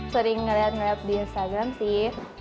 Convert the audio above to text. sering ngeliat ngeliat di instagram sih